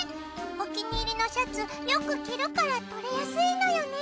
お気に入りのシャツよく着るから取れやすいのよね。